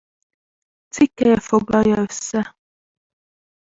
Cikkelye foglalja össze.